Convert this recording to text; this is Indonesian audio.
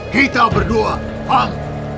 kita berdua paham